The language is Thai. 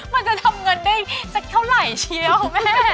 มันจะทำเงินได้สักเท่าไหร่เชียวคุณแม่